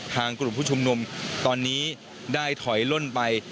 กลุ่มผู้ชุมนุมตอนนี้ได้ถอยล่นไป